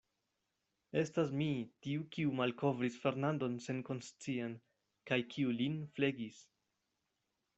Estas mi tiu, kiu malkovris Fernandon senkonscian, kaj kiu lin flegis.